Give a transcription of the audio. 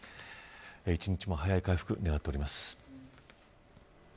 一日も早い回復を願っております。